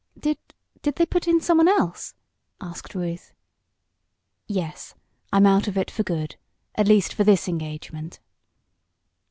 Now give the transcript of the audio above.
"Did did they put in someone else?" asked Ruth. "Yes, I'm out of it for good at least for this engagement."